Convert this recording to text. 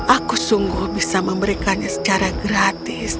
aku sungguh bisa memberikannya secara gratis